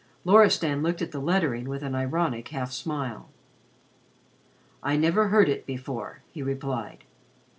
Loristan looked at the lettering with an ironic half smile. "I never heard it before," he replied.